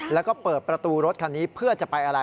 แล้วก็เปิดประตูรถคันนี้เพื่อจะไปอะไร